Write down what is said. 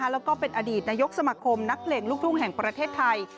แล้วก็เป็นอดีตนายกสมาคมนักเพลงลูกทุ่งแห่งประเทศไทย